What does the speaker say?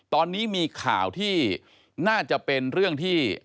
ตอนนี้มีข่าวที่น่าจะเป็นเรื่องที่